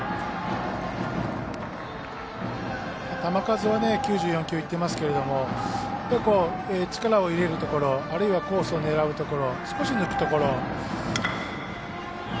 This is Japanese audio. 球数は９４球いっていますけど力を入れるところあるいはコースを狙うところ少し抜くところ。